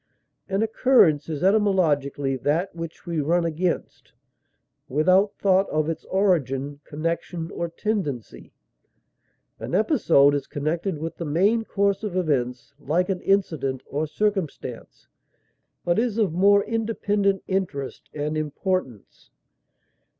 An occurrence is, etymologically, that which we run against, without thought of its origin, connection or tendency. An episode is connected with the main course of events, like an incident or circumstance, but is of more independent interest and importance.